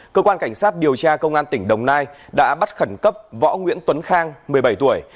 cơ quan cảnh sát điều tra công an tỉnh đồng nai đã bắt khẩn cấp võ nguyễn tuấn khang một mươi bảy tuổi